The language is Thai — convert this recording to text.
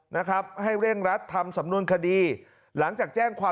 นะครับให้เร่งรัดทำสำนวนคดีหลังจากแจ้งความ